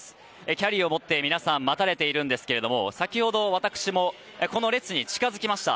キャリーを持って皆さん待たれているんですけども先ほど、私もこの列に近づきました。